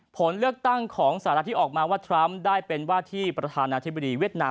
ผลเลือกตั้งของสหรัฐที่ออกมาว่าทรัมป์ได้เป็นว่าที่ประธานาธิบดีเวียดนาม